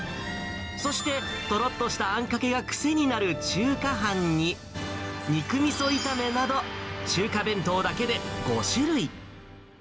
そして、とろっとしたあんかけが癖になる中華飯に、肉みそ炒めなど、中華弁当だけで５種類。